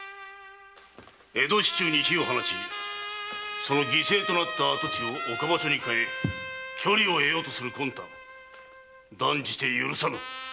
江戸市中に火を放ちその犠牲となった跡地を岡場所に変え巨利を得ようとする魂胆断じて許さぬ！